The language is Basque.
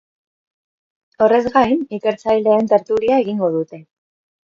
Horrez gain, ikertzaileen tertulia egingo dute.